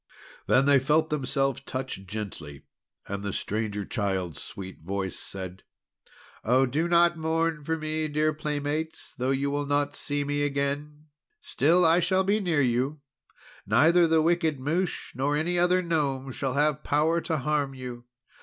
Then they felt themselves touched gently, and the Stranger Child's sweet voice said: "Oh, do not mourn for me, dear playmates! Though you will not see me again, still I shall be near you. Neither the wicked Mouche nor any other Gnome shall have power to harm you.